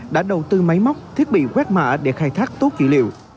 đã đầu tư máy móc thiết bị quét mạ để khai thác tốt dữ liệu